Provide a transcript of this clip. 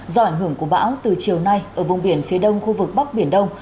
do ảnh hưởng của bão từ chiều nay ở vùng biển phía đông khu vực bắc biển đông